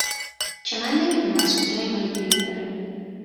که من نمی دونم از کجا اینا رو گیر میاره